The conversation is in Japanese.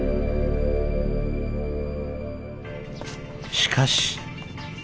しかし。